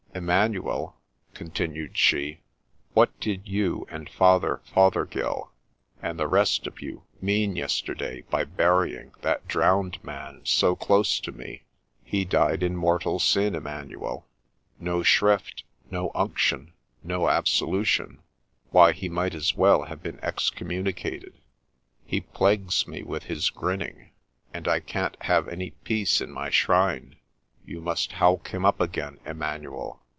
' Emmanuel,' continued she, ' what did you and Father Fothergill, and the rest of you, mean yesterday by burying that drowned man so close to me ? He died in mortal sin, Emmanuel ; no shrift, no unction, no absolution : why, he might as well have been excommunicated. He plagues me with his grinning, and I can't have any peace in my shrine. You must howk him up again, Emmanuel